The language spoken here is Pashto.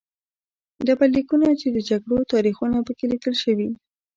ډبرلیکونه چې د جګړو تاریخونه په کې لیکل شوي